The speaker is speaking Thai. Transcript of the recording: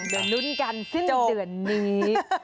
เดือนนู้นกันสิ้นเดือนนี้